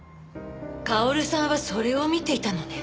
薫さんはそれを見ていたのね？